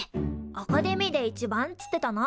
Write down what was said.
「アカデミーで一番」つってたな。